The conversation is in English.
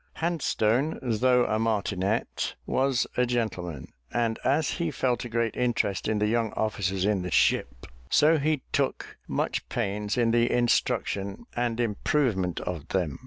Handstone, though a martinet, was a gentleman; and as he felt a great interest in the young officers in the ship, so he took much pains in the instruction and improvement of them.